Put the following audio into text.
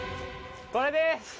これです！